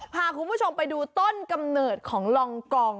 พาคุณผู้ชมไปดูต้นกำเนิดของลองกอง